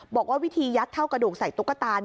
บอกว่าวิธียัดเท่ากระดูกใส่ตุ๊กตา